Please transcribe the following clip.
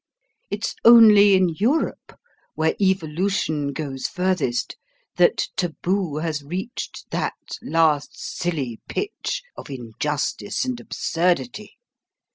It's only in Europe, where evolution goes furthest, that taboo has reached that last silly pitch of injustice and absurdity.